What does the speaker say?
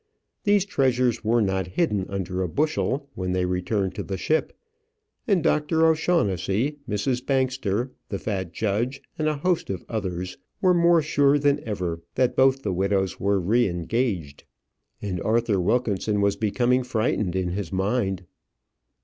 These treasures were not hidden under a bushel when they returned to the ship; and Dr. O'Shaughnessey, Mrs. Bangster, the fat judge, and a host of others, were more sure than ever that both the widows were re engaged. And Arthur Wilkinson was becoming frightened in his mind.